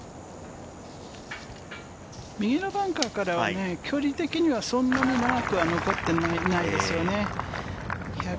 右のバンカーからは距離的にはそんなに長くは残ってないですよね。